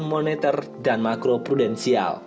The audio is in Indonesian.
moneter dan makro prudensial